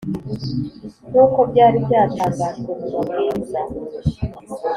nk’uko byari byatangajwe mu mabwiriza